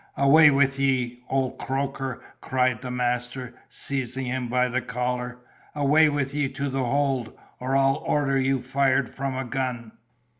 "Away with ye, old croaker!" cried the master, seizing him by the collar; "away with ye to the hold, or I'll order you fired from a gun."